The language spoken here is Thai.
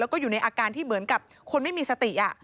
แล้วก็อยู่ในอาการที่เหมือนกับคนไม่มีสติ